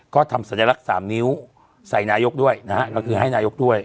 ก็ทำสัญลักษณ์๓นิ้วใส่นายกด้วยนะฮะก็คือให้นายกด้วย